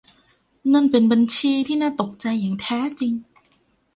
นั่นเป็นบัญชีที่น่าตกใจอย่างแท้จริง